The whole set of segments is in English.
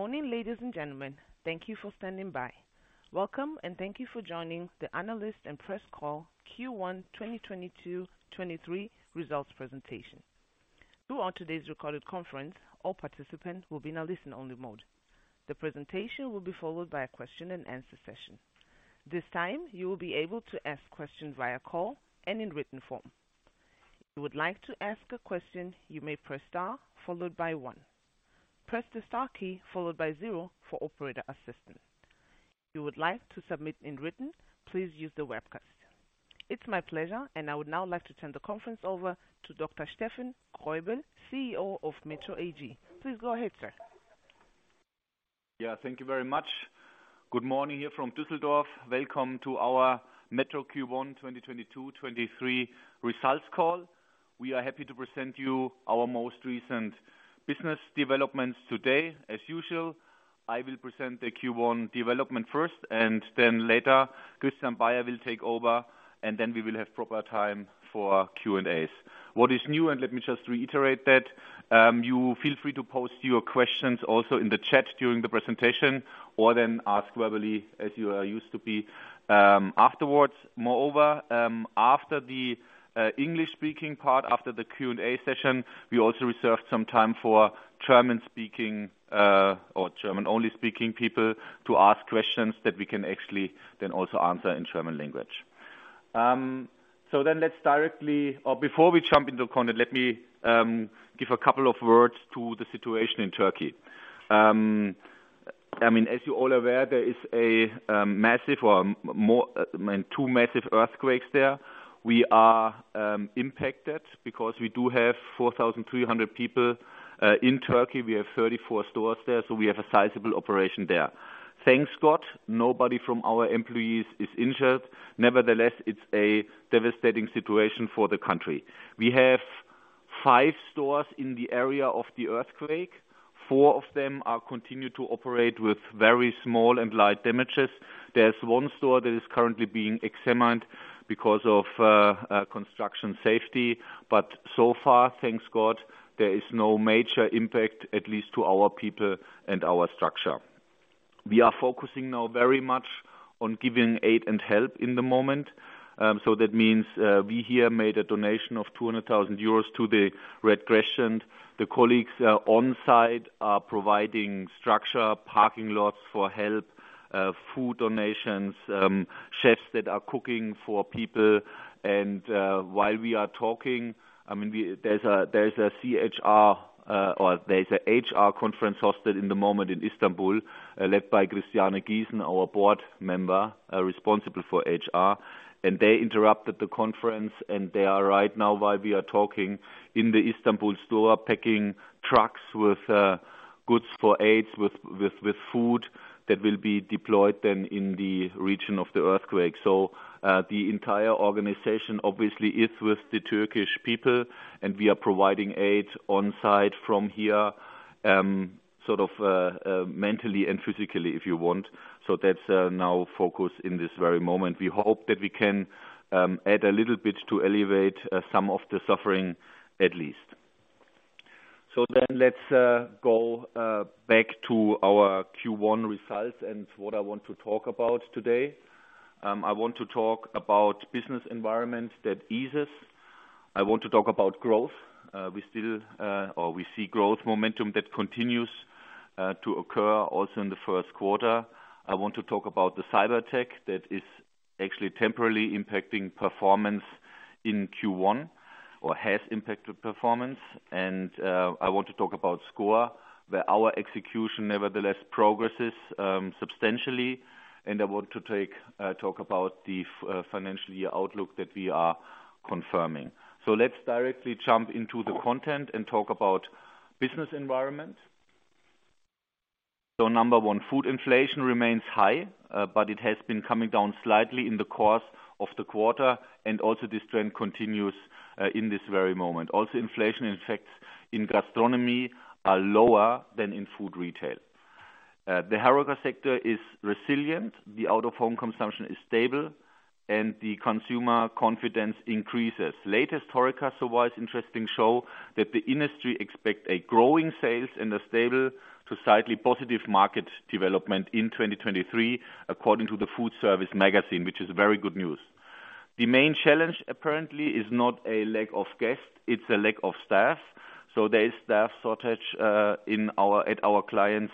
Morning, ladies and gentlemen. Thank you for standing by. Welcome, thank you for joining the analyst and press call Q1 2022-23 results presentation. Throughout today's recorded conference, all participants will be in a listen-only mode. The presentation will be followed by a question-and-answer session. This time, you will be able to ask questions via call and in written form. If you would like to ask a question, you may press star followed by one. Press the star key followed by zero for operator assistance. If you would like to submit in written, please use the webcast. It's my pleasure, I would now like to turn the conference over to Dr. Steffen Greubel, CEO of METRO AG. Please go ahead, sir. Yeah, thank you very much. Good morning here from Düsseldorf. Welcome to our METRO Q1 2022, 2023 results call. We are happy to present you our most recent business developments today. As usual, I will present the Q1 development first, and then later, Christian Baier will take over, and then we will have proper time for Q&As. What is new, and let me just reiterate that, you feel free to post your questions also in the chat during the presentation, or then ask verbally as you are used to be afterwards. Moreover, after the English-speaking part, after the Q&A session, we also reserved some time for German-speaking or German-only speaking people to ask questions that we can actually then also answer in German language. Before we jump into content, let me give a couple of words to the situation in Turkey. I mean, as you're all aware, there is a massive or I mean, two massive earthquakes there. We are impacted because we do have 4,300 people in Turkey. We have 34 stores there, so we have a sizable operation there. Thank God, nobody from our employees is injured. Nevertheless, it's a devastating situation for the country. We have five stores in the area of the earthquake. Four of them are continued to operate with very small and light damages. There's 1 store that is currently being examined because of construction safety. Thank God, there is no major impact, at least to our people and our structure. We are focusing now very much on giving aid and help in the moment. That means we here made a donation of 200,000 euros to the Red Crescent. The colleagues on-site are providing structure, parking lots for help, food donations, chefs that are cooking for people. While we are talking, I mean, there's a HR conference hosted in the moment in Istanbul, led by Christiane Giesen, our board member, responsible for HR. They interrupted the conference, and they are right now while we are talking in the Istanbul store, packing trucks with goods for aids, with food that will be deployed then in the region of the earthquake. The entire organization obviously is with the Turkish people, and we are providing aid on-site from here, sort of, mentally and physically, if you want. That's now focus in this very moment. We hope that we can add a little bit to elevate some of the suffering at least. Let's go back to our Q1 results and what I want to talk about today. I want to talk about business environment that eases. I want to talk about growth. We still or we see growth momentum that continues to occur also in the first quarter. I want to talk about the cyber attack that is actually temporarily impacting performance in Q1 or has impacted performance. I want to talk about sCore, where our execution nevertheless progresses substantially. I want to talk about the financial year outlook that we are confirming. Let's directly jump into the content and talk about business environment. Number one, food inflation remains high, but it has been coming down slightly in the course of the quarter, and also this trend continues in this very moment. Inflation effects in gastronomy are lower than in food retail. The HoReCa sector is resilient, the out-of-home consumption is stable, and the consumer confidence increases. Latest HoReCa surveys interesting show that the industry expect a growing sales and a stable to slightly positive market development in 2023, according to the Foodservice Magazine, which is very good news. The main challenge apparently is not a lack of guests, it's a lack of staff. There is staff shortage at our clients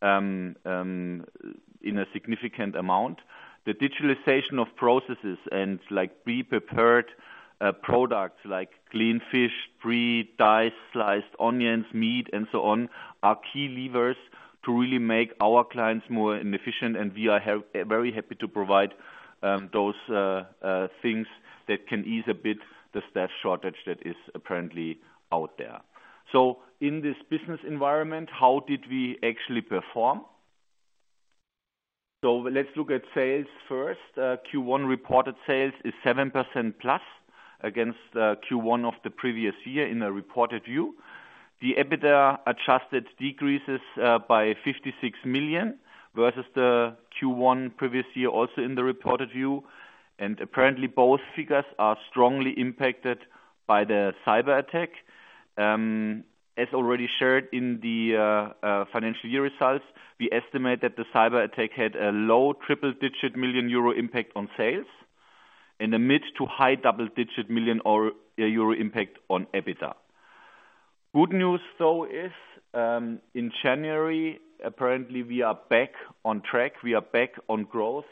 in a significant amount. The digitalization of processes and like pre-prepared products like clean fish, pre-diced, sliced onions, meat, and so on, are key levers to really make our clients more inefficient. We are very happy to provide those things that can ease a bit the staff shortage that is apparently out there. In this business environment, how did we actually perform? Let's look at sales first. Q1 reported sales is 7% plus against Q1 of the previous year in a reported view. The EBITDA adjusted decreases by 56 million versus the Q1 previous year, also in the reported view. Apparently both figures are strongly impacted by the cyberattack. As already shared in the financial year results, we estimate that the cyberattack had a low triple-digit million EUR impact on sales and a mid to high double-digit million EUR impact on EBITDA. Good news though is, in January, apparently we are back on track. We are back on growth.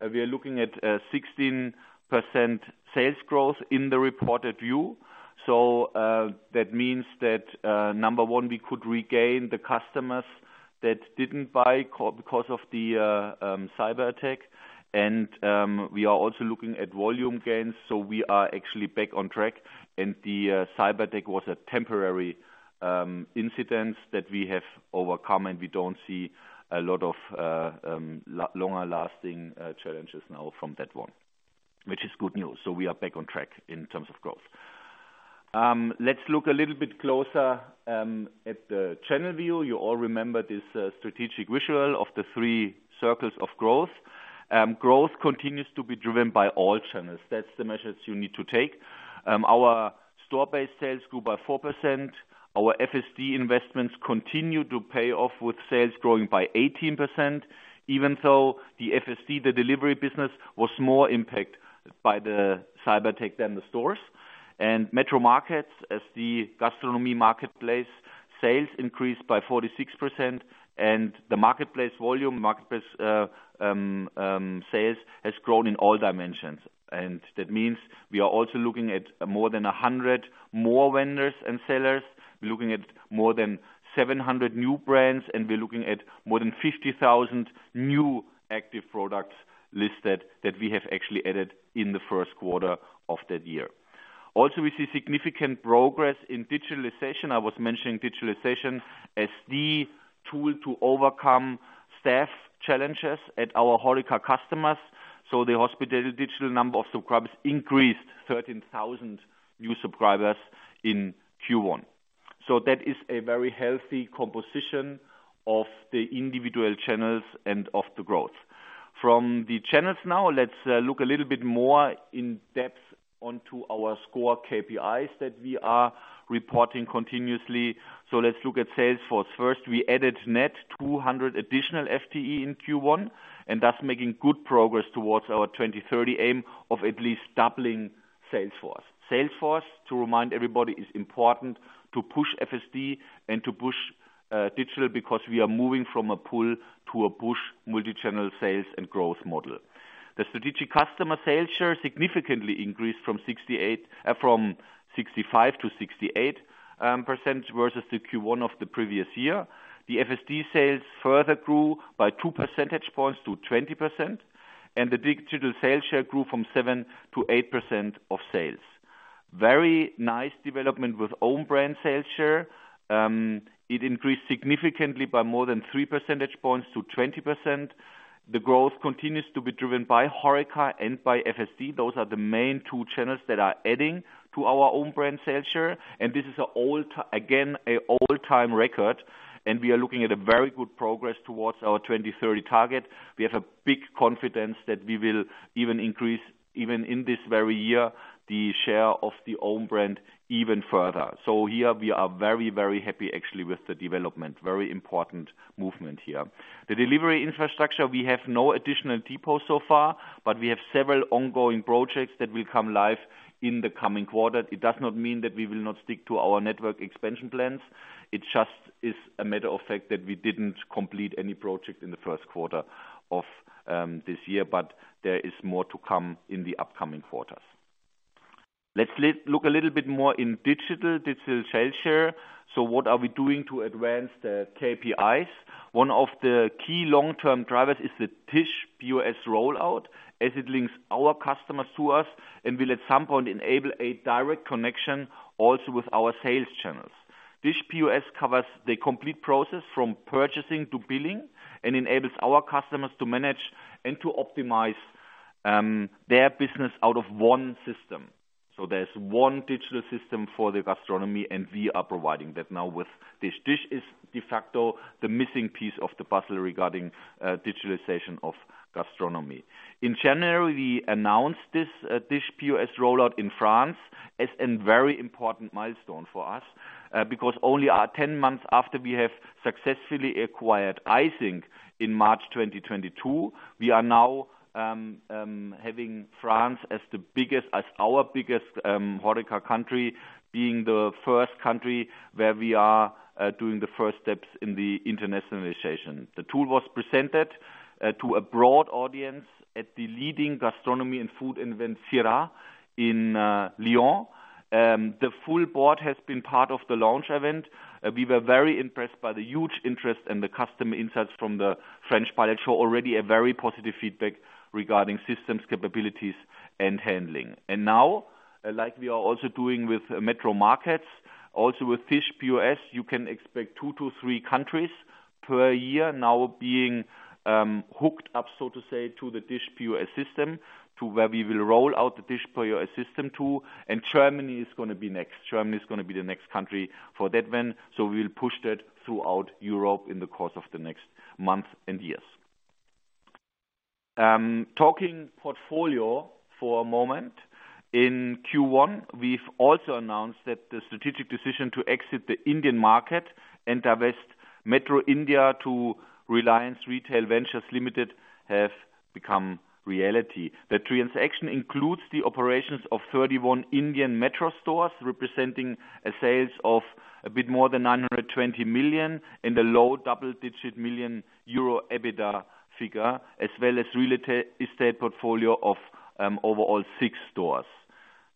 We are looking at 16% sales growth in the reported view. That means that number one, we could regain the customers that didn't buy because of the cyberattack. We are also looking at volume gains, so we are actually back on track. The cyberattack was a temporary incident that we have overcome, and we don't see a lot of longer-lasting challenges now from that one, which is good news. We are back on track in terms of growth. Let's look a little bit closer at the channel view. You all remember this strategic visual of the three circles of growth. Growth continues to be driven by all channels. That's the measures you need to take. Our store-based sales grew by 4%. Our FSD investments continue to pay off, with sales growing by 18%, even though the FSD, the delivery business, was more impact by the cyberattack than the stores. METRO MARKETS, as the gastronomy marketplace, sales increased by 46%, and the marketplace volume, sales has grown in all dimensions. That means we are also looking at more than 100 more vendors and sellers. We're looking at more than 700 new brands, and we're looking at more than 50,000 new active products listed that we have actually added in the 1st quarter of that year. We see significant progress in digitalization. I was mentioning digitalization as the tool to overcome staff challenges at our HoReCa customers. The Hospitality Digital number of subscribers increased 13,000 new subscribers in Q1. That is a very healthy composition of the individual channels and of the growth. From the channels now, let's look a little bit more in depth onto our sCore KPIs that we are reporting continuously. Let's look at sales force first. We added net 200 additional FTE in Q1, and that's making good progress towards our 2030 aim of at least doubling sales force. Sales force, to remind everybody, is important to push FSD and to push digital, because we are moving from a pull to a push multi-channel sales and growth model. The strategic customer sales share significantly increased from 65% to 68% versus the Q1 of the previous year. The FSD sales further grew by 2 percentage points to 20%, the digital sales share grew from 7% to 8% of sales. Very nice development with own brand sales share. It increased significantly by more than 3 percentage points to 20%. The growth continues to be driven by HoReCa and by FSD. Those are the main two channels that are adding to our own brand sales share. This is again, an all-time record, and we are looking at a very good progress towards our 2030 target. We have a big confidence that we will even increase, even in this very year, the share of the own brand even further. Here we are very, very happy actually with the development. Very important movement here. The delivery infrastructure, we have no additional depots so far, but we have several ongoing projects that will come live in the coming quarter. It does not mean that we will not stick to our network expansion plans. It just is a matter of fact that we didn't complete any project in the first quarter of this year, but there is more to come in the upcoming quarters. Let's look a little bit more in digital sales share. What are we doing to advance the KPIs? One of the key long-term drivers is the DISH POS rollout, as it links our customers to us and will at some point enable a direct connection also with our sales channels. DISH POS covers the complete process from purchasing to billing and enables our customers to manage and to optimize their business out of one system. There's one digital system for the gastronomy, and we are providing that now with DISH. DISH is de facto the missing piece of the puzzle regarding digitalization of gastronomy. In January, we announced this DISH POS rollout in France. It's an very important milestone for us, because only 10 months after we have successfully acquired Eijsink in March 2022, we are now having France as the biggest, as our biggest HoReCa country, being the first country where we are doing the first steps in the internationalization. The tool was presented to a broad audience at the leading gastronomy and food event, Sirha, in Lyon. The full board has been part of the launch event. We were very impressed by the huge interest, and the customer insights from the French pilots show already a very positive feedback regarding systems capabilities and handling. Now, like we are also doing with METRO MARKETS, also with DISH POS, you can expect two to three countries per year now being hooked up, so to say, to the DISH POS system to where we will roll out the DISH POS system to, and Germany is gonna be next. Germany is gonna be the next country for that one. We'll push that throughout Europe in the course of the next month and years. Talking portfolio for a moment. In Q1, we've also announced that the strategic decision to exit the Indian market and divest METRO India to Reliance Retail Ventures Limited have become reality. The transaction includes the operations of 31 Indian METRO stores, representing sales of a bit more than 920 million, and a low double-digit million EUR EBITDA figure, as well as real estate portfolio of overall six stores.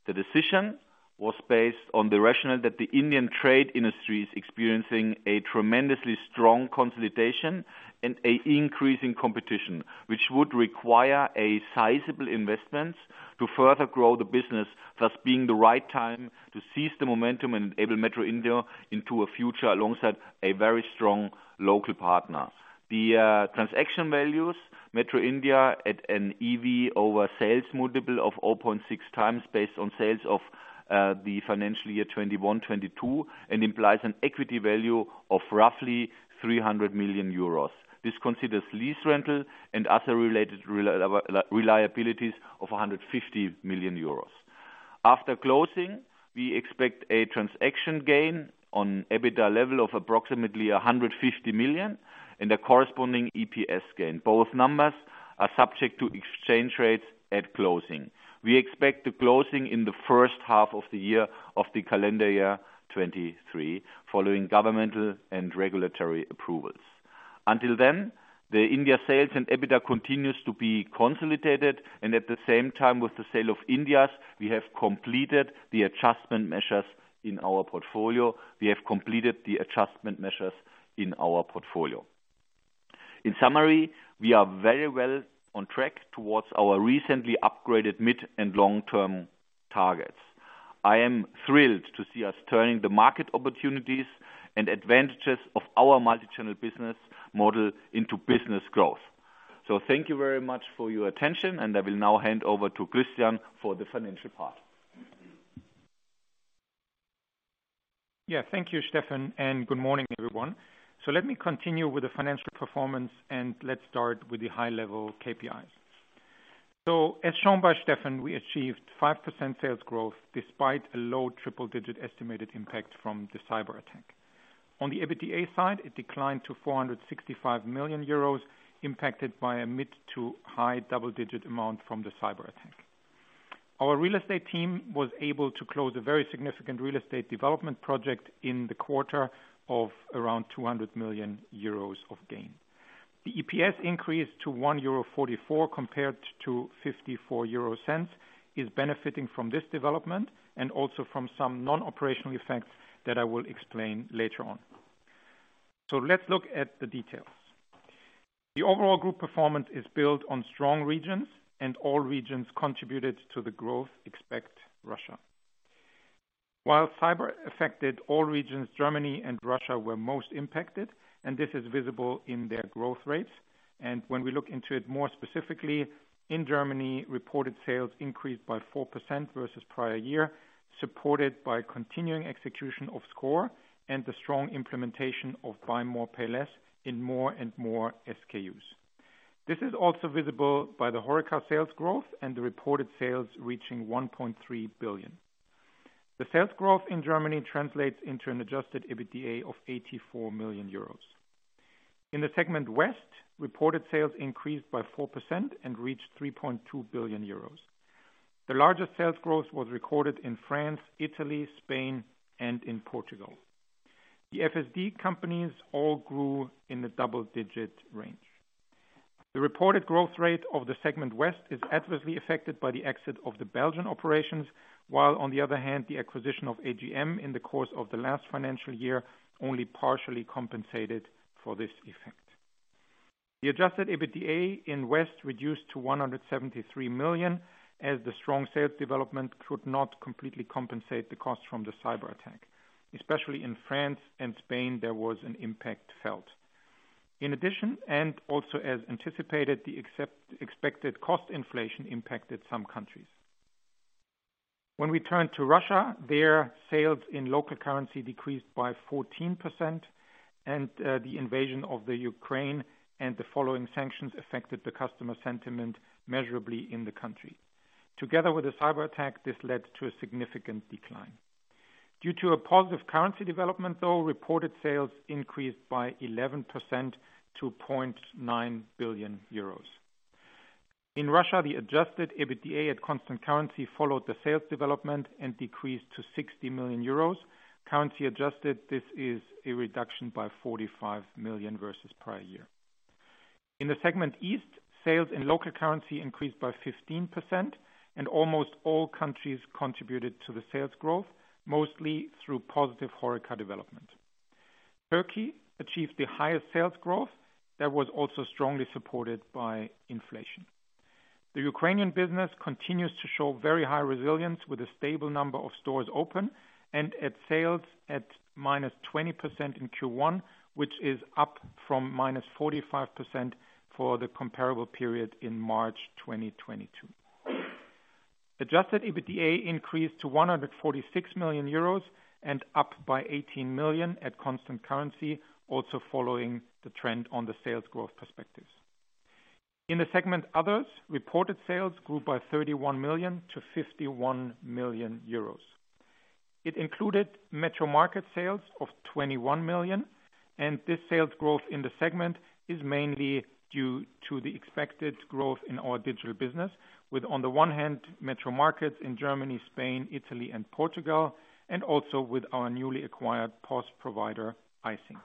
The decision was based on the rationale that the Indian trade industry is experiencing a tremendously strong consolidation and increasing competition, which would require a sizable investment to further grow the business, thus being the right time to seize the momentum and enable METRO India into a future alongside a very strong local partner. The transaction values METRO India at an EV/Sales multiple of 0.6x based on sales of the financial year 2021, 2022, and implies an equity value of roughly 300 million euros. This considers lease rental and other related liabilities of 150 million euros. After closing, we expect a transaction gain on EBITDA level of approximately 150 million and a corresponding EPS gain. Both numbers are subject to exchange rates at closing. We expect the closing in the first half of the year of the calendar year 2023, following governmental and regulatory approvals. Until then, the India sales and EBITDA continues to be consolidated, and at the same time with the sale of India, we have completed the adjustment measures in our portfolio. In summary, we are very well on track towards our recently upgraded mid- and long-term targets. I am thrilled to see us turning the market opportunities and advantages of our multi-channel business model into business growth. Thank you very much for your attention, and I will now hand over to Christian for the financial part. Thank you, Steffen, and good morning, everyone. Let me continue with the financial performance, and let's start with the high level KPIs. As shown by Steffen, we achieved 5% sales growth despite a low triple digit estimated impact from the cyber attack. On the EBITDA side, it declined to 465 million euros, impacted by a mid to high double digit amount from the cyber attack. Our real estate team was able to close a very significant real estate development project in the quarter of around 200 million euros of gain. The EPS increased to 1.44 euro compared to 0.54 is benefiting from this development and also from some non-operational effects that I will explain later on. Let's look at the details. The overall group performance is built on strong regions, and all regions contributed to the growth except Russia. While cyber affected all regions, Germany and Russia were most impacted and this is visible in their growth rates. When we look into it more specifically, in Germany, reported sales increased by 4% versus prior year, supported by continuing execution of sCore and the strong implementation of Buy More Pay Less in more and more SKUs. This is also visible by the HoReCa sales growth and the reported sales reaching 1.3 billion. The sales growth in Germany translates into an adjusted EBITDA of 84 million euros. In the segment West, reported sales increased by 4% and reached 3.2 billion euros. The largest sales growth was recorded in France, Italy, Spain and in Portugal. The FSD companies all grew in the double-digit range. The reported growth rate of the segment West is adversely affected by the exit of the Belgian operations, while on the other hand, the acquisition of AGM in the course of the last financial year only partially compensated for this effect. The adjusted EBITDA in West reduced to 173 million, as the strong sales development could not completely compensate the cost from the cyber attack. Especially in France and Spain, there was an impact felt. As anticipated, the expected cost inflation impacted some countries. We turn to Russia, their sales in local currency decreased by 14%, and the invasion of the Ukraine and the following sanctions affected the customer sentiment measurably in the country. Together with the cyber attack, this led to a significant decline. Due to a positive currency development, though, reported sales increased by 11% to 0.9 billion euros. In Russia, the adjusted EBITDA at constant currency followed the sales development and decreased to 60 million euros. Currency adjusted, this is a reduction by 45 million versus prior year. In the segment East, sales in local currency increased by 15% and almost all countries contributed to the sales growth, mostly through positive HoReCa development. Turkey achieved the highest sales growth that was also strongly supported by inflation. The Ukrainian business continues to show very high resilience with a stable number of stores open and at sales at -20% in Q1, which is up from -45% for the comparable period in March 2022. Adjusted EBITDA increased to 146 million euros and up by 18 million at constant currency, also following the trend on the sales growth perspectives. In the segment others, reported sales grew by 31 million-51 million euros. It included METRO MARKETS sales of 21 million. This sales growth in the segment is mainly due to the expected growth in our digital business with, on the one hand, METRO MARKETS in Germany, Spain, Italy and Portugal, and also with our newly acquired POS provider, Eijsink.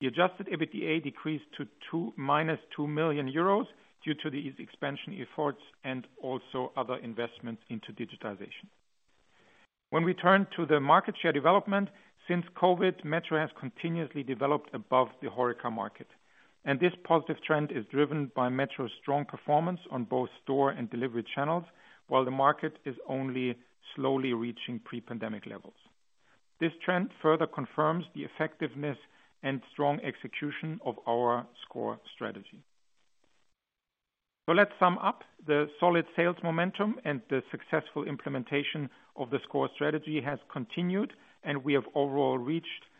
The adjusted EBITDA decreased to -2 million euros due to these expansion efforts and also other investments into digitization. When we turn to the market share development, since COVID, METRO has continuously developed above the HoReCa market. This positive trend is driven by METRO's strong performance on both store and delivery channels, while the market is only slowly reaching pre-pandemic levels. This trend further confirms the effectiveness and strong execution of our sCore strategy. Let's sum up. The solid sales momentum and the successful implementation of the sCore strategy has continued. We have overall reached 5%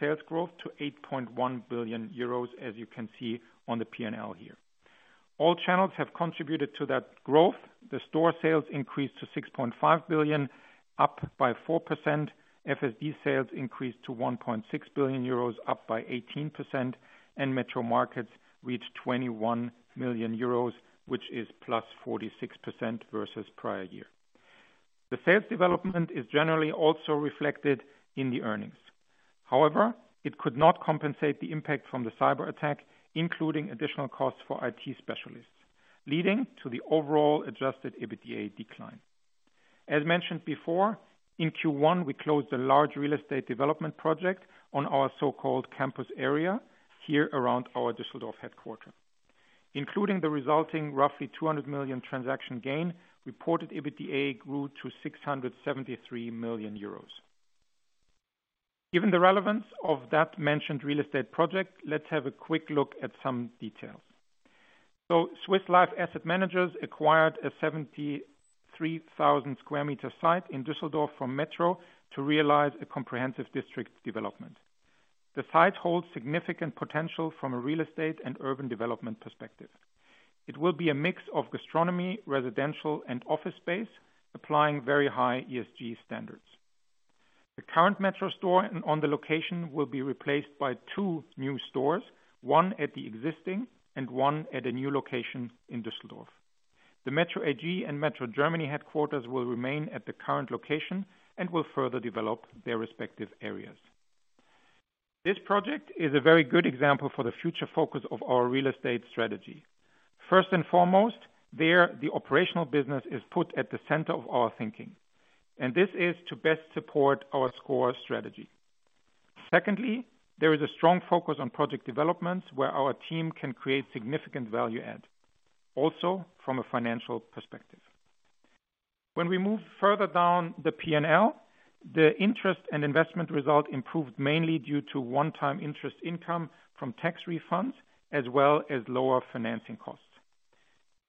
sales growth to 8.1 billion euros, as you can see on the P&L here. All channels have contributed to that growth. The store sales increased to 6.5 billion, up by 4%. FSD sales increased to 1.6 billion euros, up by 18%. METRO MARKETS reached 21 million euros, which is +46% versus prior year. The sales development is generally also reflected in the earnings. However, it could not compensate the impact from the cyberattack, including additional costs for IT specialists, leading to the overall adjusted EBITDA decline. As mentioned before, in Q1, we closed a large real estate development project on our so-called campus area here around our Düsseldorf headquarter. Including the resulting roughly 200 million transaction gain, reported EBITDA grew to 673 million euros. Given the relevance of that mentioned real estate project, let's have a quick look at some details. Swiss Life Asset Managers acquired a 73,000 sq m site in Düsseldorf from METRO to realize a comprehensive district development. The site holds significant potential from a real estate and urban development perspective. It will be a mix of gastronomy, residential and office space, applying very high ESG standards. The current METRO store on the location will be replaced by two new stores, one at the existing and one at a new location in Düsseldorf. The METRO AG and METRO Deutschland headquarters will remain at the current location and will further develop their respective areas. This project is a very good example for the future focus of our real estate strategy. First and foremost, there, the operational business is put at the center of our thinking, this is to best support our sCore strategy. Secondly, there is a strong focus on project developments where our team can create significant value add, also from a financial perspective. When we move further down the P&L, the interest and investment result improved mainly due to one-time interest income from tax refunds as well as lower financing costs.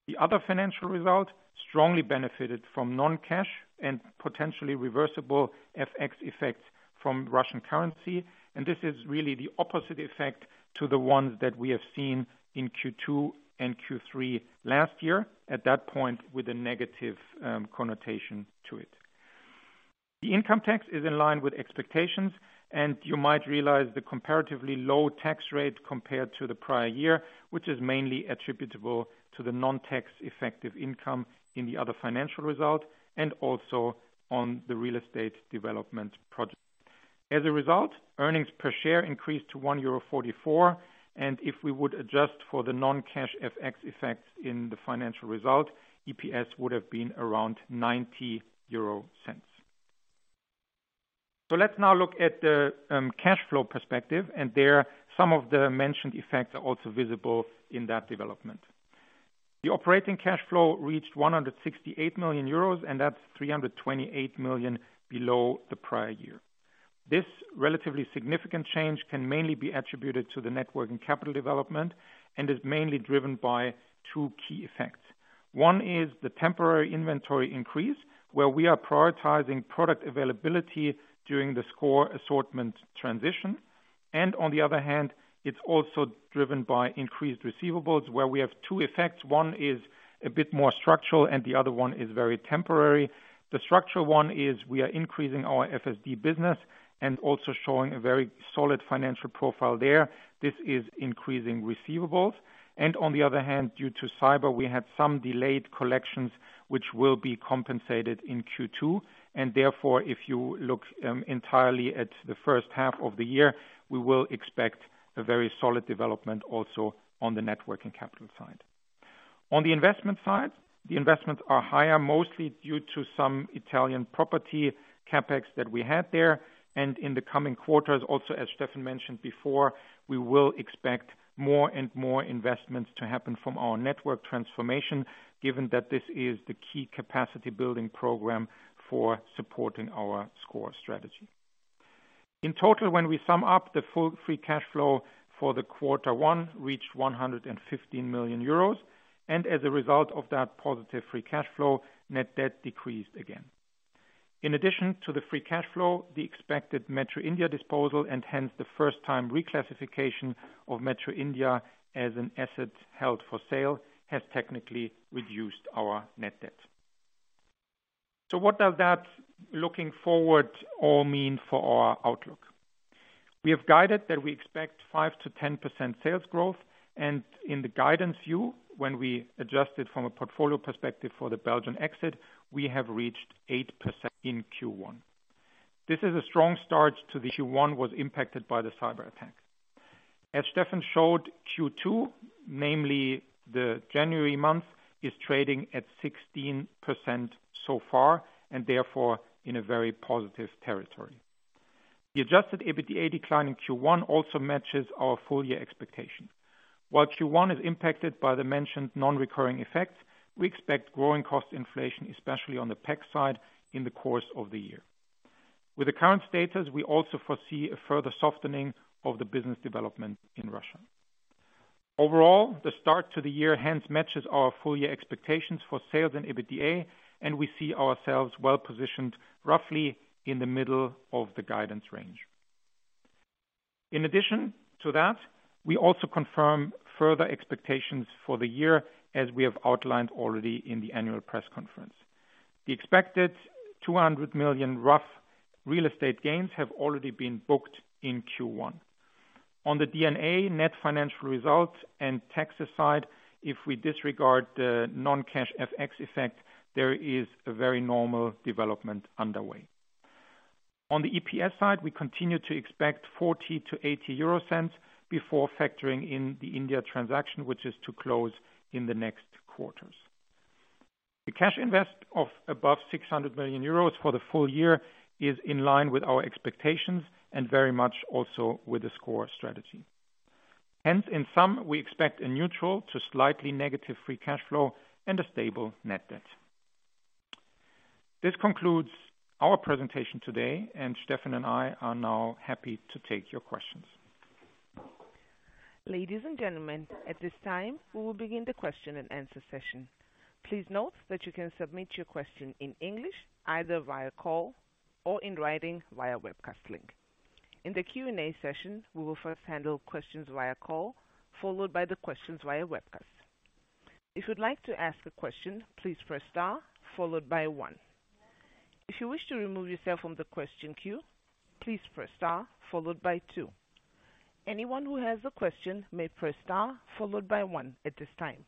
The other financial result strongly benefited from non-cash and potentially reversible FX effects from Russian currency, this is really the opposite effect to the ones that we have seen in Q2 and Q3 last year, at that point with a negative connotation to it. The income tax is in line with expectations. You might realize the comparatively low tax rate compared to the prior year, which is mainly attributable to the non-tax effective income in the other financial result and also on the real estate development project. As a result, earnings per share increased to 1.44. If we would adjust for the non-cash FX effects in the financial result, EPS would have been around 0.90. Let's now look at the cash flow perspective. There some of the mentioned effects are also visible in that development. The operating cash flow reached 168 million euros. That's 328 million below the prior year. This relatively significant change can mainly be attributed to the working capital development and is mainly driven by two key effects. One is the temporary inventory increase, where we are prioritizing product availability during the sCore assortment transition. On the other hand, it's also driven by increased receivables, where we have two effects. One is a bit more structural and the other one is very temporary. The structural one is we are increasing our FSD business and also showing a very solid financial profile there. This is increasing receivables. On the other hand, due to cyber, we had some delayed collections which will be compensated in Q2. Therefore, if you look entirely at the first half of the year, we will expect a very solid development also on the working capital side. On the investment side, the investments are higher, mostly due to some Italian property CapEx that we had there. In the coming quarters, also, as Steffen mentioned before, we will expect more and more investments to happen from our network transformation, given that this is the key capacity building program for supporting our sCore strategy. In total, when we sum up the full free cash flow for the quarter one reached 115 million euros, and as a result of that positive free cash flow, net debt decreased again. In addition to the free cash flow, the expected METRO India disposal, and hence the first time reclassification of METRO India as an asset held for sale, has technically reduced our net debt. What does that looking forward all mean for our outlook? We have guided that we expect 5%-10% sales growth. In the guidance view, when we adjust it from a portfolio perspective for the Belgian exit, we have reached 8% in Q1. This is a strong start to the Q1 was impacted by the cyberattack. Steffen showed, Q2, namely the January month, is trading at 16% so far. Therefore in a very positive territory. The adjusted EBITDA decline in Q1 also matches our full year expectations. Q1 is impacted by the mentioned non-recurring effects, we expect growing cost inflation, especially on the PEC side, in the course of the year. With the current status, we also foresee a further softening of the business development in Russia. Overall, the start to the year hence matches our full year expectations for sales and EBITDA, and we see ourselves well positioned roughly in the middle of the guidance range. In addition to that, we also confirm further expectations for the year as we have outlined already in the annual press conference. The expected 200 million rough real estate gains have already been booked in Q1. On the D&A net financial results and taxes side, if we disregard the non-cash FX effect, there is a very normal development underway. On the EPS side, we continue to expect 0.40-0.80 euro before factoring in the India transaction, which is to close in the next quarters. The cash invest of above 600 million euros for the full year is in line with our expectations and very much also with the sCore strategy. Hence, in sum, we expect a neutral to slightly negative free cash flow and a stable net debt. This concludes our presentation today, and Steffen and I are now happy to take your questions. Ladies and gentlemen, at this time, we will begin the question-and-answer session. Please note that you can submit your question in English either via call or in writing via webcast link. In the Q&A session, we will first handle questions via call, followed by the questions via webcast. If you'd like to ask a question, please press star followed by one. If you wish to remove yourself from the question queue, please press star followed by two. Anyone who has a question may press star followed by one at this time.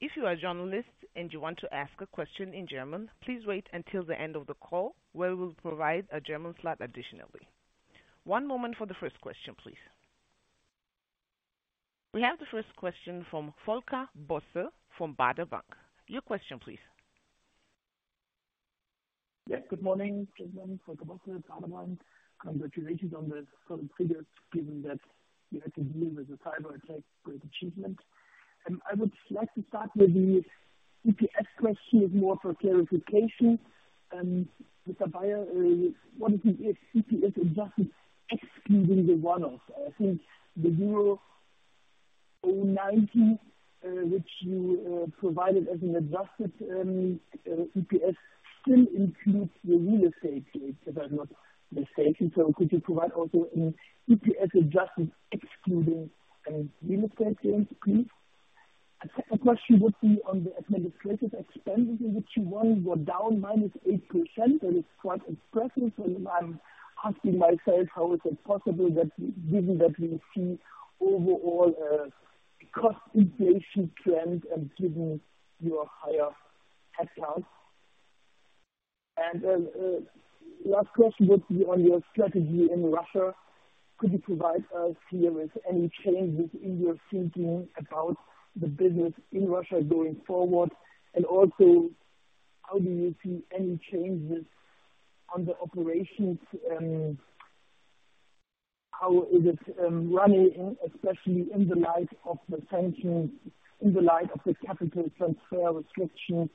If you are a journalist and you want to ask a question in German, please wait until the end of the call where we'll provide a German slot additionally. One moment for the first question, please. We have the first question from Volker Bosse from Baader Bank. Your question, please. Yes. Good morning, gentlemen. Volker Bosse, Baader Bank. Congratulations on the current figures, given that you had to deal with the cyberattack. Great achievement. I would like to start with the EPS question, more for clarification. With Christian Baier, what is the EPS adjusted excluding the one-off? I think the euro 0.90, which you provided as an adjusted EPS still includes the real estate Yeah. Could you provide also an EPS adjustment excluding any real estate gains, please? A second question would be on the administrative expenses, which were down minus 8%. That is quite impressive. I'm asking myself how is it possible that given that we see overall cost inflation trend and given your higher headcount. Last question would be on your strategy in Russia. Could you provide us here with any changes in your thinking about the business in Russia going forward? Also, how do you see any changes on the operations and how is it running, especially in the light of the sanctions, in the light of the capital transfer restrictions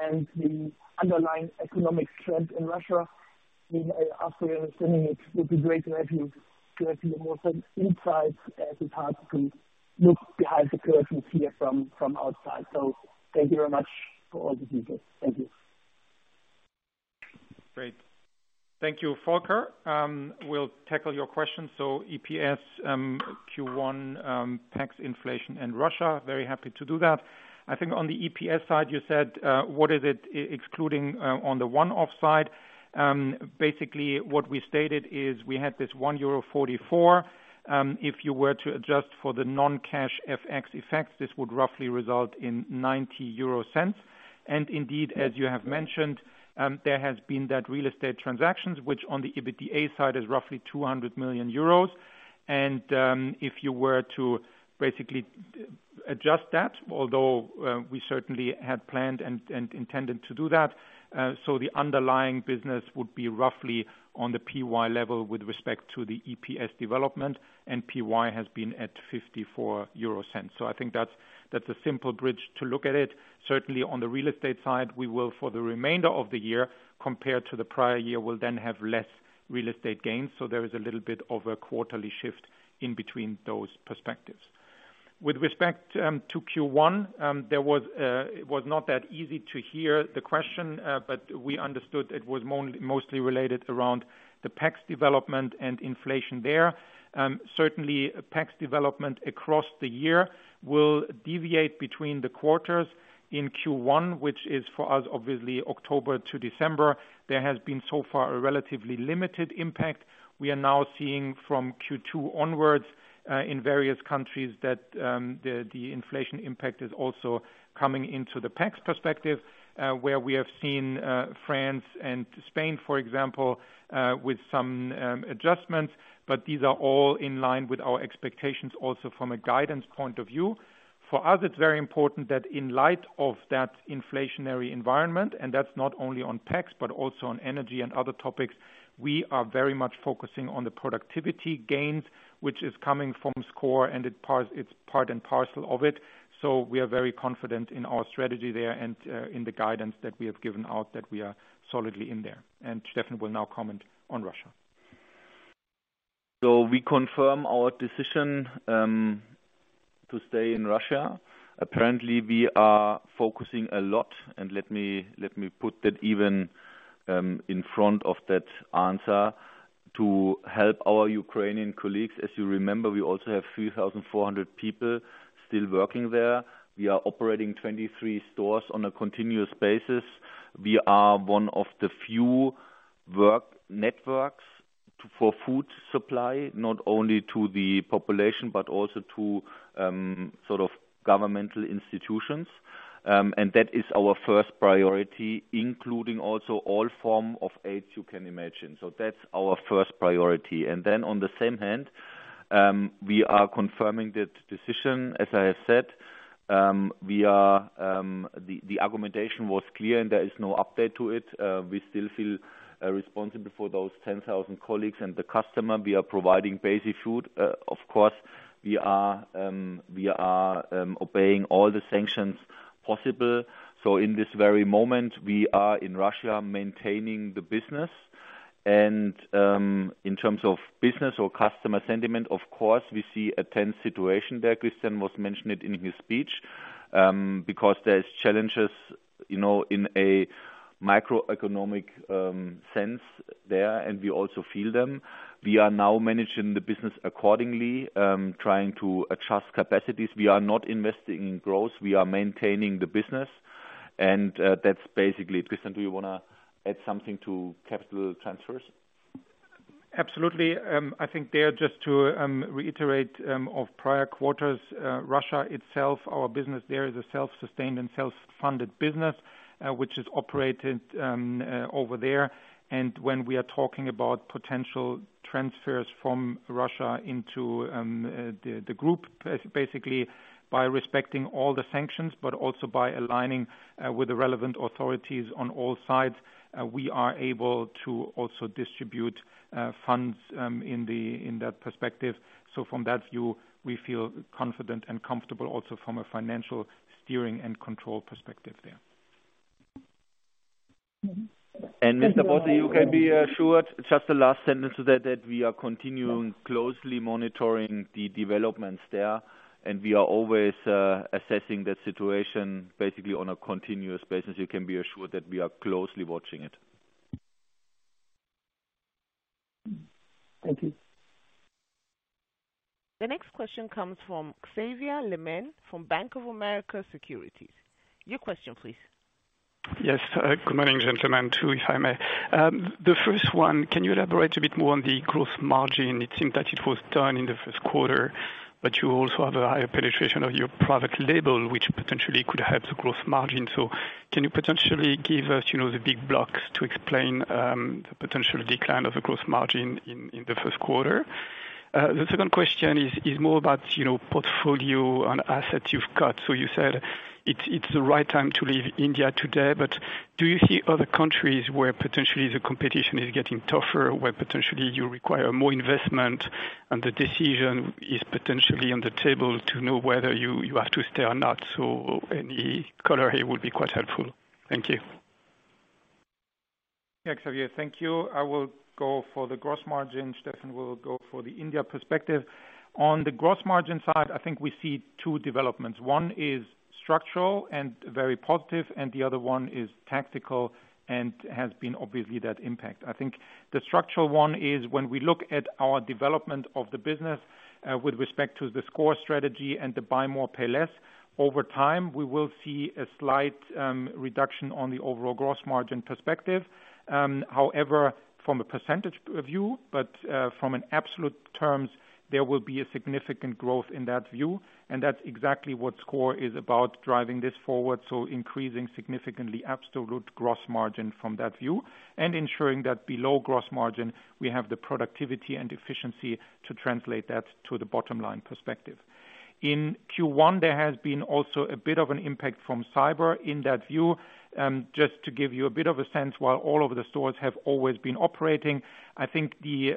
and the underlying economic trend in Russia? With after understanding it would be great to have you more insights as it's hard to look behind the curtains here from outside. Thank you very much for all the details. Thank you. Great. Thank you, Volker. We'll tackle your questions. EPS, Q1, tax inflation in Russia. Very happy to do that. I think on the EPS side, you said, what is it excluding on the one-off side. Basically what we stated is we had this 1.44 euro. If you were to adjust for the non-cash FX effects, this would roughly result in 0.90. Indeed, as you have mentioned, there has been that real estate transactions, which on the EBITDA side is roughly 200 million euros. If you were to basically adjust that, although we certainly had planned and intended to do that, so the underlying business would be roughly on the PY level with respect to the EPS development, and PY has been at 0.54. I think that's a simple bridge to look at it. Certainly on the real estate side, we will for the remainder of the year compared to the prior year, will then have less real estate gains. There is a little bit of a quarterly shift in between those perspectives. With respect to Q1, there was it was not that easy to hear the question, but we understood it was mostly related around the tax development and inflation there. Certainly tax development across the year will deviate between the quarters in Q1, which is for us, obviously October to December. There has been so far a relatively limited impact. We are now seeing from Q2 onwards, in various countries that the inflation impact is also coming into the tax perspective, where we have seen France and Spain, for example, with some adjustments. These are all in line with our expectations also from a guidance point of view. For us, it's very important that in light of that inflationary environment, and that's not only on tax but also on energy and other topics, we are very much focusing on the productivity gains which is coming from sCore, and it's part and parcel of it. We are very confident in our strategy there and in the guidance that we have given out that we are solidly in there. Steffen will now comment on Russia. We confirm our decision to stay in Russia. Apparently, we are focusing a lot, and let me put that even in front of that answer to help our Ukrainian colleagues. As you remember, we also have 3,400 people still working there. We are operating 23 stores on a continuous basis. We are one of the few work networks for food supply, not only to the population but also to sort of governmental institutions. That is our first priority, including also all form of aids you can imagine. That's our first priority. On the same hand, we are confirming that decision. As I have said, we are the argumentation was clear, and there is no update to it. We still feel responsible for those 10,000 colleagues and the customer. We are providing basic food. Of course, we are obeying all the sanctions possible. In this very moment, we are in Russia maintaining the business. In terms of business or customer sentiment, of course, we see a tense situation there. Christian was mentioning it in his speech, because there's challenges, you know, in a macroeconomic sense there, and we also feel them. We are now managing the business accordingly, trying to adjust capacities. We are not investing in growth. We are maintaining the business. That's basically it. Christian, do you wanna add something to capital transfers? Absolutely. I think there, just to reiterate, of prior quarters, Russia itself, our business there is a self-sustained and self-funded business, which is operated over there. When we are talking about potential transfers from Russia into the group, basically by respecting all the sanctions, but also by aligning with the relevant authorities on all sides, we are able to also distribute funds in that perspective. From that view, we feel confident and comfortable also from a financial steering and control perspective there. Mr. Bosse, you can be assured, just the last sentence that we are continuing closely monitoring the developments there, and we are always assessing the situation basically on a continuous basis. You can be assured that we are closely watching it. Thank you. The next question comes from Xavier Le Mené from Bank of America Securities. Your question, please. Yes. Good morning, gentlemen, too, if I may. The first one, can you elaborate a bit more on the growth margin? It seemed that it was done in the first quarter, but you also have a higher penetration of your product label, which potentially could help the growth margin. Can you potentially give us, you know, the big blocks to explain the potential decline of the growth margin in the first quarter? The second question is more about, you know, portfolio and assets you've got. You said it's the right time to leave India today, do you see other countries where potentially the competition is getting tougher, where potentially you require more investment and the decision is potentially on the table to know whether you have to stay or not? Any color here would be quite helpful. Thank you. Xavier, thank you. I will go for the gross margin. Steffen will go for the India perspective. On the gross margin side, I think we see two developments. One is structural and very positive, and the other one is tactical and has been obviously that impact. I think the structural one is when we look at our development of the business with respect to the sCore strategy and the Buy More Pay Less, over time, we will see a slight reduction on the overall gross margin perspective. However, from a percentage view, but from an absolute terms, there will be a significant growth in that view, and that's exactly what sCore is about, driving this forward. Increasing significantly absolute gross margin from that view and ensuring that below gross margin we have the productivity and efficiency to translate that to the bottom line perspective. In Q1, there has been also a bit of an impact from cyber in that view. Just to give you a bit of a sense, while all of the stores have always been operating, I think the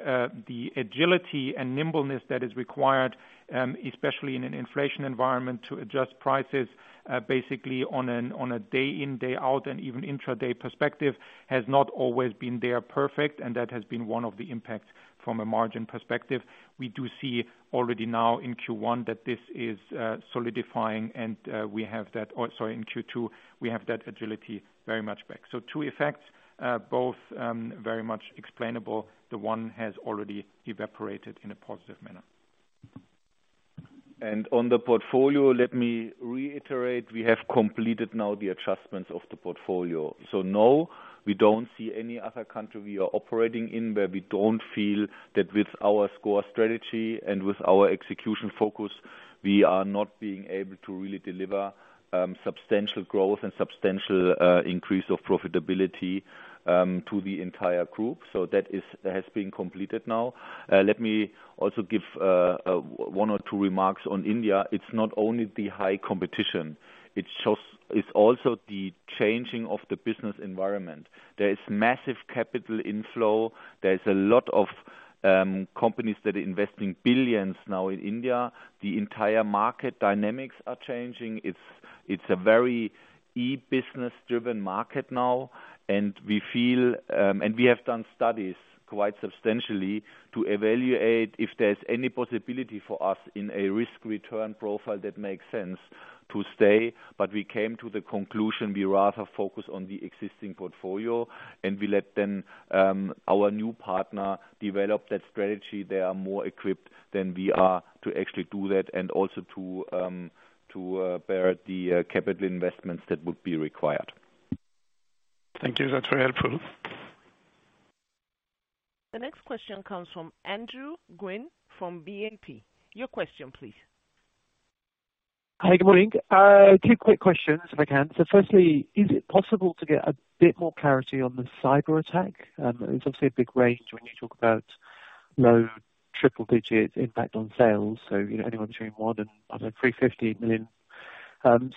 agility and nimbleness that is required, especially in an inflation environment, to adjust prices, basically on an, on a day in, day out, and even intra-day perspective has not always been there perfect, and that has been one of the impacts from a margin perspective. We do see already now in Q1 that this is solidifying and we have that. Oh, sorry, in Q2, we have that agility very much back. Two effects, both very much explainable. The one has already evaporated in a positive manner. On the portfolio, let me reiterate, we have completed now the adjustments of the portfolio. No, we don't see any other country we are operating in where we don't feel that with our sCore strategy and with our execution focus, we are not being able to really deliver substantial growth and substantial increase of profitability to the entire group. That has been completed now. Let me also give one or two remarks on India. It's not only the high competition, it shows it's also the changing of the business environment. There is massive capital inflow. There's a lot of companies that are investing billions now in India. The entire market dynamics are changing. It's a very e-business driven market now. We feel, and we have done studies quite substantially to evaluate if there's any possibility for us in a risk return profile that makes sense to stay. We came to the conclusion we rather focus on the existing portfolio, and we let then, our new partner develop that strategy. They are more equipped than we are to actually do that and also to bear the capital investments that would be required. Thank you. That's very helpful. The next question comes from Andrew Gwynn from BNP. Your question please. Hi, good morning. Two quick questions, if I can. Firstly, is it possible to get a bit more clarity on the cyberattack? It's obviously a big range when you talk about low triple digits impact on sales, so, you know, anyone between 1 and, I don't know, 350 million.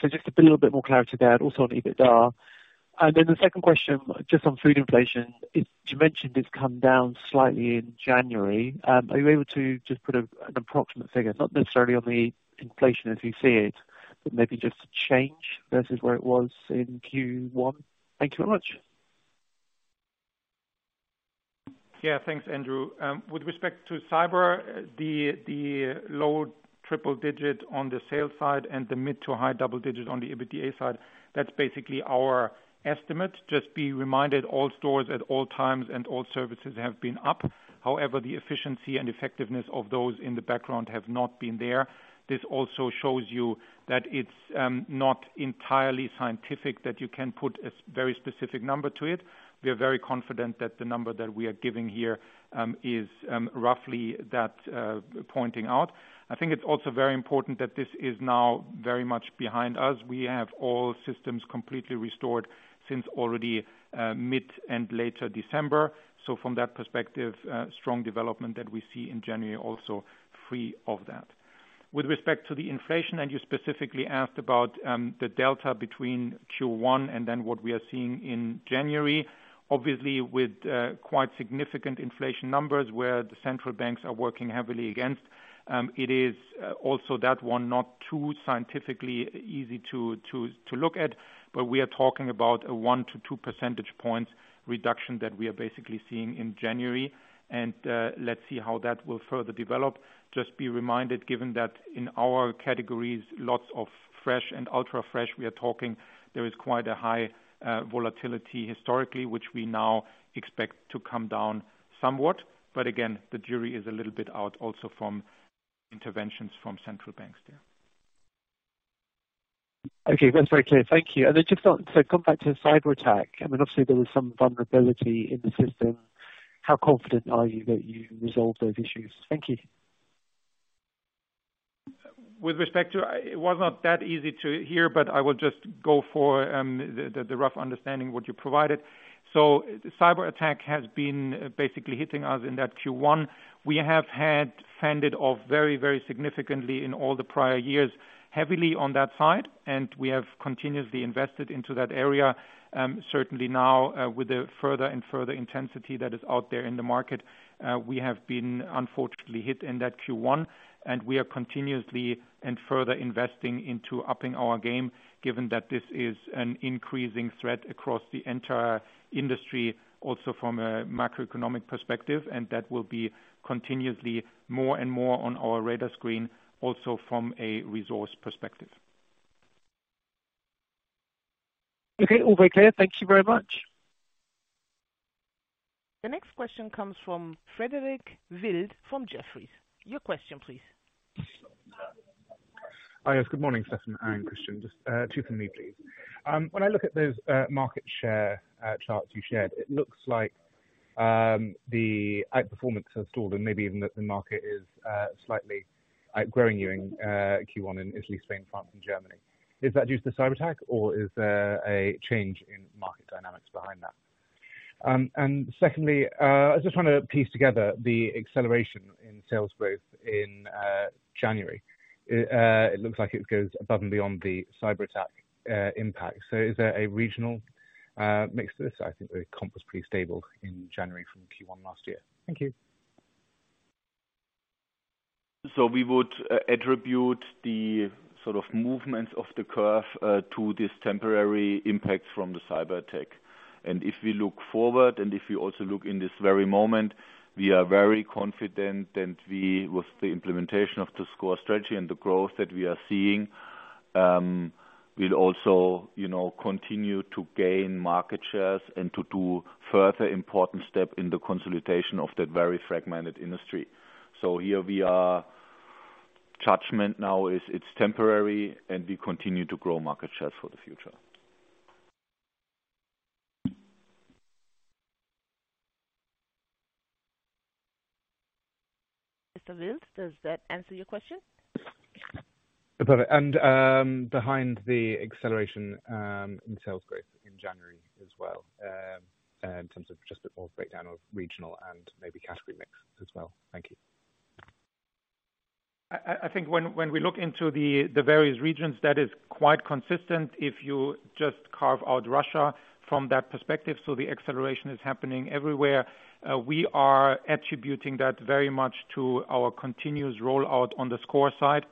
Just a little bit more clarity there and also on EBITDA. The second question, just on food inflation. You mentioned it's come down slightly in January. Are you able to just put an approximate figure, not necessarily on the inflation as you see it, but maybe just change versus where it was in Q1. Thank you very much. Yeah, thanks, Andrew. With respect to cyber, the low triple digit on the sales side and the mid to high double digit on the EBITDA side, that's basically our estimate. Just be reminded, all stores at all times and all services have been up. However, the efficiency and effectiveness of those in the background have not been there. This also shows you that it's not entirely scientific that you can put a very specific number to it. We are very confident that the number that we are giving here is roughly that pointing out. I think it's also very important that this is now very much behind us. We have all systems completely restored since already mid and later December. From that perspective, strong development that we see in January, also free of that. With respect to the inflation, and you specifically asked about, the delta between Q1 and then what we are seeing in January, obviously with, quite significant inflation numbers where the central banks are working heavily against, it is also that one, not too scientifically easy to look at, but we are talking about a 1-2 percentage points reduction that we are basically seeing in January. Let's see how that will further develop. Just be reminded, given that in our categories, lots of fresh and ultra fresh, we are talking, there is quite a high, volatility historically, which we now expect to come down somewhat. Again, the jury is a little bit out also from interventions from central banks there. Okay, that's very clear. Thank you. Come back to the cyberattack. I mean, obviously there was some vulnerability in the system. How confident are you that you resolved those issues? Thank you. With respect to... It was not that easy to hear, but I will just go for the rough understanding what you provided. Cyberattack has been basically hitting us in that Q1. We have had fended off very significantly in all the prior years, heavily on that side, and we have continuously invested into that area. Certainly now, with the further intensity that is out there in the market, we have been unfortunately hit in that Q1 and we are continuously and further investing into upping our game, given that this is an increasing threat across the entire industry, also from a macroeconomic perspective. That will be continuously more on our radar screen also from a resource perspective. Okay, all very clear. Thank You very much. The next question comes from Frederick Wild from Jefferies. Your question, please. Hi, yes, good morning, Steffen and Christian. Just two from me, please. When I look at those market share charts you shared, it looks like the outperformance has stalled and maybe even that the market is slightly outgrowing you in Q1 in Italy, Spain, France and Germany. Is that due to the cyberattack or is there a change in market dynamics behind that? Secondly, I was just trying to piece together the acceleration in sales growth in January. It looks like it goes above and beyond the cyberattack impact. Is there a regional mix to this? I think the comp was pretty stable in January from Q1 last year. Thank you. We would attribute the sort of movements of the curve to this temporary impact from the cyberattack. If we look forward and if we also look in this very moment, we are very confident and we, with the implementation of the sCore strategy and the growth that we are seeing. We'll also, you know, continue to gain market shares and to do further important step in the consolidation of that very fragmented industry. Here we are. Judgment now is it's temporary, and we continue to grow market shares for the future. Mr. Wild, does that answer your question? Perfect. Behind the acceleration in sales growth in January as well, in terms of just a more breakdown of regional and maybe category mix as well. Thank you. I think when we look into the various regions, that is quite consistent if you just carve out Russia from that perspective. The acceleration is happening everywhere. We are attributing that very much to our continuous rollout on the sCore side,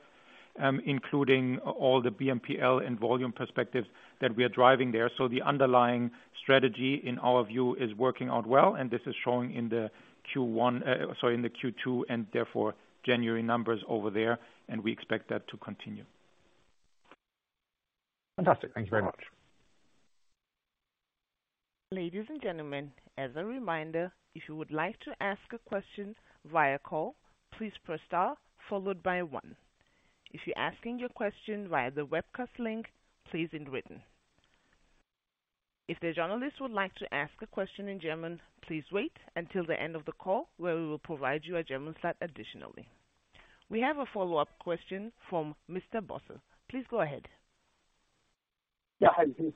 including all the BMPL and volume perspectives that we are driving there. The underlying strategy in our view is working out well, and this is showing in the Q1, sorry, in the Q2 and therefore January numbers over there, and we expect that to continue. Fantastic. Thank you very much. Ladies and gentlemen, as a reminder, if you would like to ask a question via call, please press star followed by one. If you're asking your question via the webcast link, please in written. If the journalists would like to ask a question in German, please wait until the end of the call, where we will provide you a German slot additionally. We have a follow-up question from Mr. Bosse. Please go ahead. Yeah, hi, this is.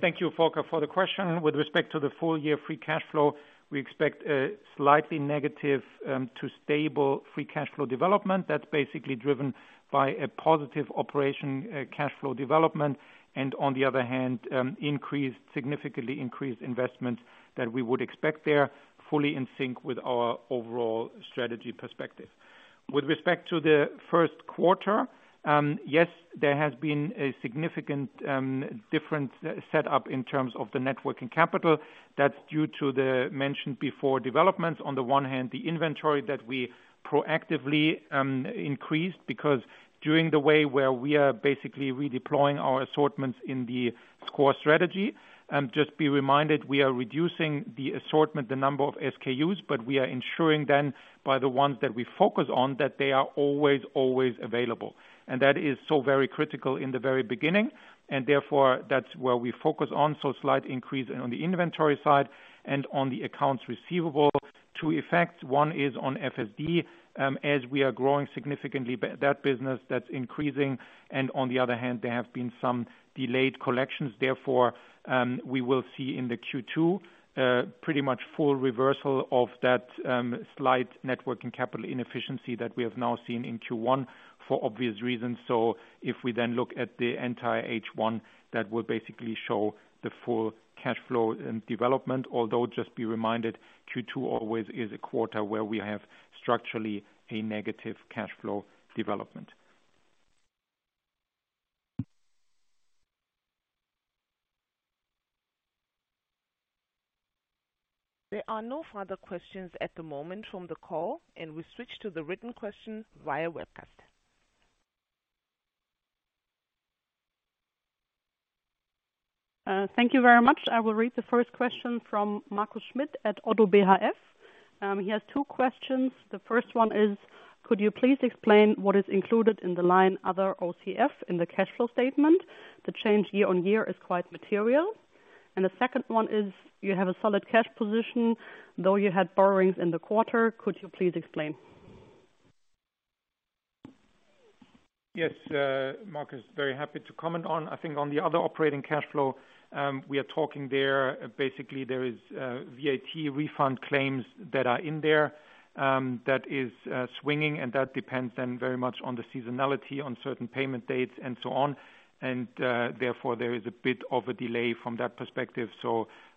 Thank you, Volker, for the question. With respect to the full year free cash flow, we expect a slightly negative to stable free cash flow development that's basically driven by a positive operation cash flow development. On the other hand, significantly increased investment that we would expect there fully in sync with our overall strategy perspective. With respect to the first quarter, yes, there has been a significant different set up in terms of the working capital that's due to the mention before developments. On the one hand, the inventory that we proactively increased because during the way where we are basically redeploying our assortments in the sCore strategy, just be reminded, we are reducing the assortment, the number of SKUs. We are ensuring then by the ones that we focus on, that they are always available. That is so very critical in the very beginning and therefore that's where we focus on, so slight increase and on the inventory side and on the accounts receivable two effects. One is on FSD, as we are growing significantly that business that's increasing. On the other hand, there have been some delayed collections. Therefore, we will see in the Q2 pretty much full reversal of that slight working capital inefficiency that we have now seen in Q1 for obvious reasons. If we then look at the entire H1, that will basically show the full cash flow and development. Although just be reminded, Q2 always is a quarter where we have structurally a negative cash flow development. There are no further questions at the moment from the call. We switch to the written question via webcast. Thank you very much. I will read the first question from Markus Schmitt at ODDO BHF. He has two questions. The first one is, could you please explain what is included in the line other OCF in the cash flow statement? The change year-on-year is quite material. The second one is, you have a solid cash position, though you had borrowings in the quarter. Could you please explain? Yes, Markus, very happy to comment on. I think on the other operating cash flow, we are talking there, basically, there is VAT refund claims that are in there, that is swinging, and that depends very much on the seasonality on certain payment dates and so on. Therefore, there is a bit of a delay from that perspective.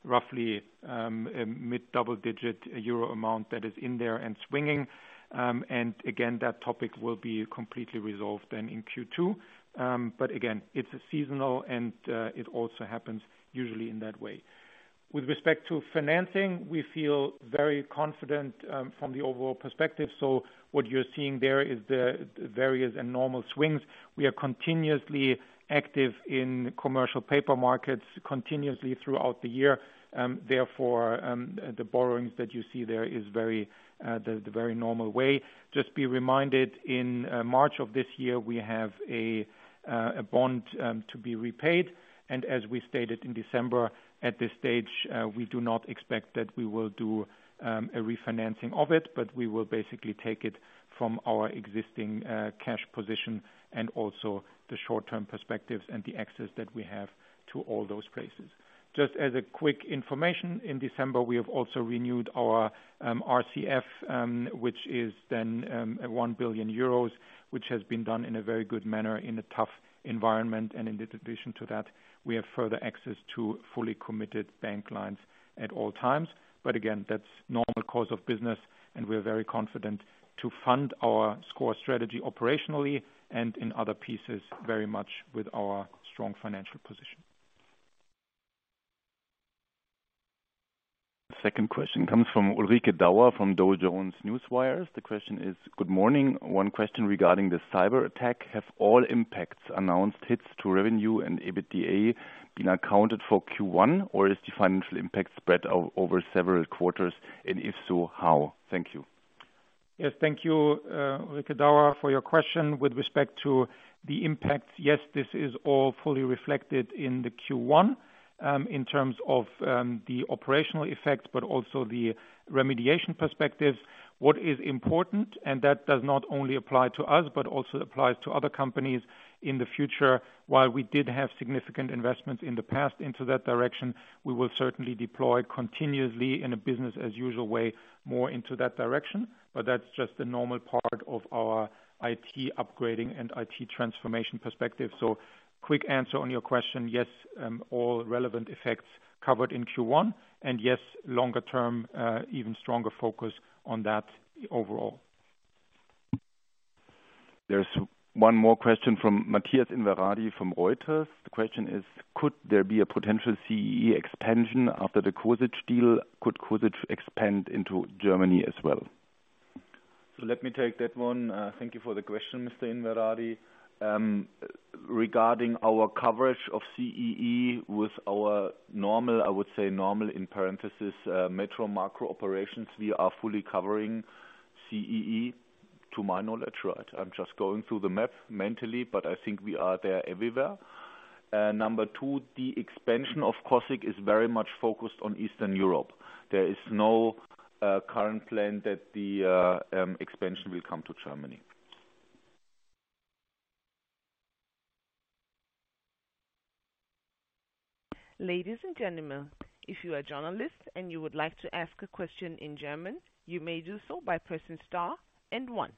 Roughly, a mid double digit euro amount that is in there and swinging. Again, that topic will be completely resolved in Q2. Again, it's a seasonal and it also happens usually in that way. With respect to financing, we feel very confident from the overall perspective. What you're seeing there is the various and normal swings. We are continuously active in commercial paper markets continuously throughout the year. Therefore, the borrowings that you see there is very the very normal way. Just be reminded, in March of this year, we have a bond to be repaid. As we stated in December, at this stage, we do not expect that we will do a refinancing of it. We will basically take it from our existing cash position and also the short-term perspectives and the access that we have to all those places. Just as a quick information, in December, we have also renewed our RCF, which is then 1 billion euros, which has been done in a very good manner in a tough environment. In addition to that, we have further access to fully committed bank lines at all times. Again, that's normal course of business, and we're very confident to fund our sCore strategy operationally and in other pieces very much with our strong financial position. Second question comes from Ulrike Dauer from Dow Jones Newswires. The question is: Good morning. One question regarding the cyber attack. Have all impacts announced hits to revenue and EBITDA been accounted for Q1, or is the financial impact spread over several quarters, and if so, how? Thank you. Yes. Thank you, Ulrike Dauer, for your question. With respect to the impact, yes, this is all fully reflected in the Q1, in terms of the operational effects, but also the remediation perspectives. What is important, that does not only apply to us, but also applies to other companies in the future, while we did have significant investments in the past into that direction, we will certainly deploy continuously in a business as usual way more into that direction. That's just a normal part of our IT upgrading and IT transformation perspective. Quick answer on your question, yes, all relevant effects covered in Q1, yes, longer term, even stronger focus on that overall. There's one more question from Matthias Inverardi from Reuters. The question is: Could there be a potential CEE expansion after the Košić deal? Could Košić expand into Germany as well? Let me take that one. Thank you for the question, Mr. Inverardi. Regarding our coverage of CEE with our normal, I would say normal, in parentheses, METRO/MAKRO operations, we are fully covering CEE to my knowledge. Right. I'm just going through the map mentally, but I think we are there everywhere. Number two, the expansion of Košice is very much focused on Eastern Europe. There is no current plan that the expansion will come to Germany. Ladies and gentlemen, if you are journalists and you would like to ask a question in German, you may do so by pressing star and one.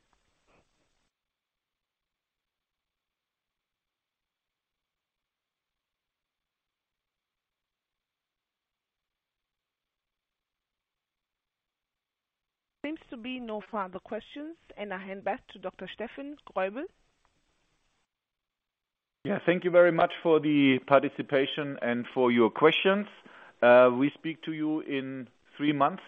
Seems to be no further questions. I hand back to Dr. Steffen Greubel. Yeah. Thank you very much for the participation and for your questions. We speak to you in three months,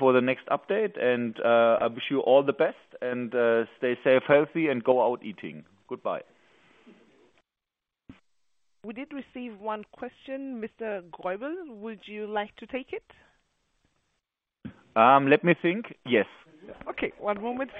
for the next update. I wish you all the best and stay safe, healthy, and go out eating. Goodbye. We did receive one question, Mr. Greubel. Would you like to take it? Let me think. Yes. Okay, one moment.